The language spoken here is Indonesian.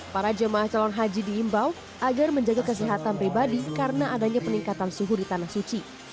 para jemaah calon haji diimbau agar menjaga kesehatan pribadi karena adanya peningkatan suhu di tanah suci